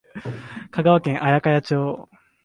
香川県綾川町